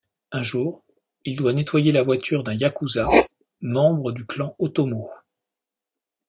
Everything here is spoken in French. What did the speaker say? Un jour, il doit nettoyer la voiture d'un yakuza, membre du clan Otomo.